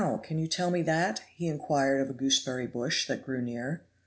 can you tell me that," he inquired of a gooseberry bush that grew near.